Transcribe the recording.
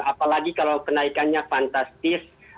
apalagi kalau kenaikannya fantastis